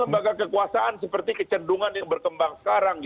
lembaga kekuasaan seperti kecendungan yang berkembang sekarang